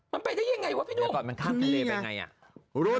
มันไปได้ยังไงวะพี่รู้